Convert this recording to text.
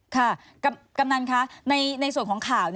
กำนันคะในส่วนของข่าว